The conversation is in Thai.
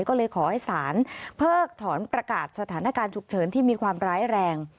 ก็เลยขอให้ศาลเพิกถอนประกาศสถานการณ์ฉุกเฉินที่มีความร้ายแรง